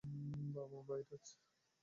বাবা-মা বাইরে আছে।